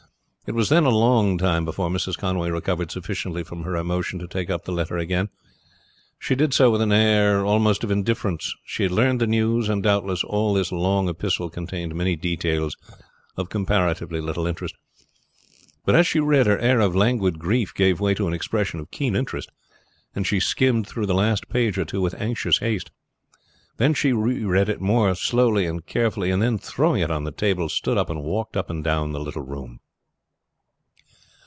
It was then a long time before Mrs. Conway recovered sufficiently from her emotion to take up the letter again. She did so with an air almost of indifference. She had learned the news, and doubtless all this long epistle contained many details of comparatively little interest. But as she read her air of languid grief gave way to an expression of keen interest, and she skimmed through the last page or two with anxious haste. Then she reread it more slowly and carefully, and then throwing it on the table stood up and walked up and down the little room.